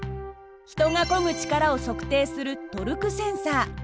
人がこぐ力を測定するトルクセンサー。